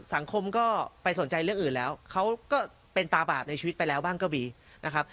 สังคมก็ไปสนใจเรื่องอื่นแล้วเขาก็เป็นตาบาปในชีวิตไปแล้วบ้างก็มีนะครับ